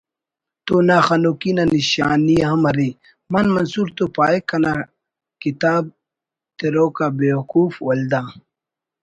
تو ناخنوکی نا نشانی ہم ارے) مان منصور تو پاہک کتاب تروک آ بیوقوف‘ ولدا